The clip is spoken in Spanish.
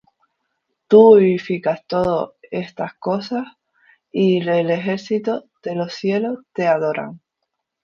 tú vivificas todas estas cosas, y los ejércitos de los cielos te adoran.